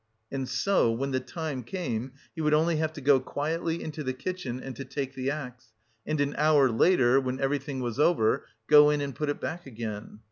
And so, when the time came, he would only have to go quietly into the kitchen and to take the axe, and an hour later (when everything was over) go in and put it back again.